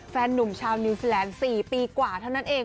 แฟนนุ่มชาวนิวซีแลนด์๔ปีกว่าเท่านั้นเอง